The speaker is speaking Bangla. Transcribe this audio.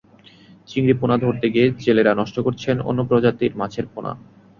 চিংড়ি পোনা ধরতে গিয়ে জেলেরা নষ্ট করছেন অন্য প্রজাতির মাছের পোনা।